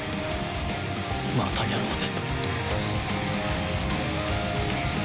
またやろうぜ。